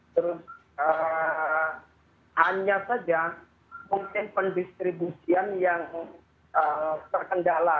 terus hanya saja mungkin pendistribusian yang terkendala